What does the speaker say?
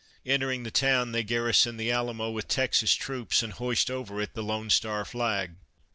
Entering the town, they garrison the Alamo with Texas troops and hoist over it the Lone Star Flag.